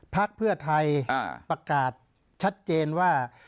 พักเพื่อไทยประกาศชัดเจนว่า